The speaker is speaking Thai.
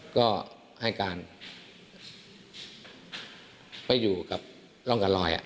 ก็ให้การไม่อยู่กับร่องกับรอย